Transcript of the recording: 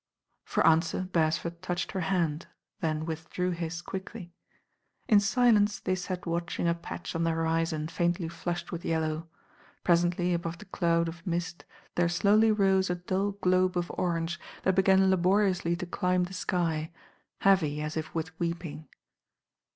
For answer Beresford touched her hand, then withdrew his quickly. In silence they sat watching a patch on the hori zon faintly flushed with yellow. Presently above the cloud of mist there slowly rose a dull globe of THE DANGER LINE til orange that began laboriously to climb the sky, heavy at if with weeping.